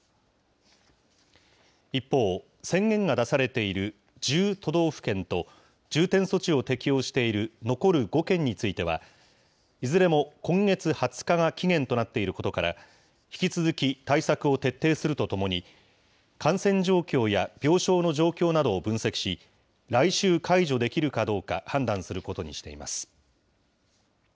一方、宣言が出されている１０都道府県と、重点措置を適用している残る５県については、いずれも今月２０日が期限となっていることから、引き続き対策を徹底するとともに、感染状況や病床の状況などを分析し、来週解除できるかどうか判断することにしています。